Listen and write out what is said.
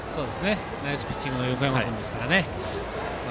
ナイスピッチングの横山君ですからね。